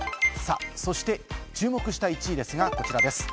そして注目した１位ですが、こちらです。